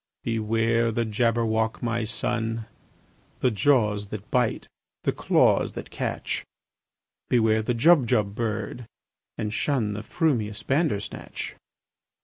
"Beware the Jabberwock, my son! The jaws that bite, the claws that catch! Beware the Jubjub bird, and shun The frumious Bandersnatch!"